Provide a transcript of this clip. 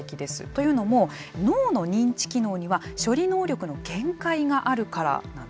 というのも脳の認知機能には処理能力の限界があるからなんですね。